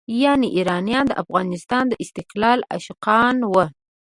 یعنې ایرانیان د افغانستان د استقلال عاشقان وو.